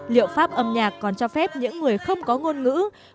liệu pháp âm nhạc còn cho phép những người không có ngôn ngữ